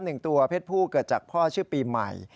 หนึ่งตัวเพศผู้เกิดจากพ่อชื่อปีใหม่